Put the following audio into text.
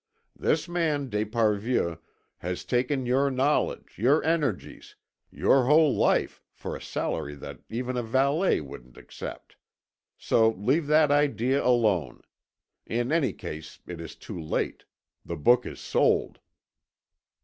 This man, d'Esparvieu, has taken your knowledge, your energies, your whole life for a salary that even a valet wouldn't accept. So leave that idea alone. In any case it is too late. The book is sold."